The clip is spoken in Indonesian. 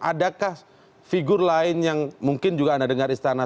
adakah figur lain yang mungkin juga anda dengar istana